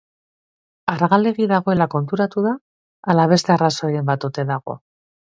Argalegi dagoela konturatu da ala beste arrazoiren bat ote dago?